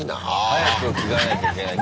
早く着替えなきゃいけない。